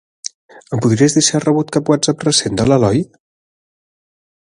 Em podries dir si he rebut cap whatsapp recent de l'Eloi?